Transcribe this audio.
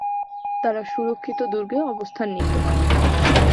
তারা সুরক্ষিত দুর্গে অবস্থান নিত।